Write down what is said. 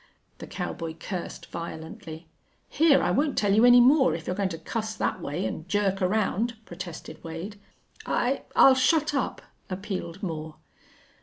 The cowboy cursed violently. "Here I won't tell you any more if you're goin' to cuss that way an' jerk around," protested Wade. "I I'll shut up," appealed Moore.